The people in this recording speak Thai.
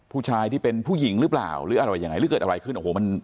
ผู้ชายที่เป็นผู้หญิงหรือเปล่าหรืออะไรยังไงหรือเกิดอะไรขึ้นโอ้โหมัน